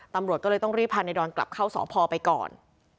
ตำรวจก็เลยต้องรีบพาในดอนกลับเข้าสพไปก่อน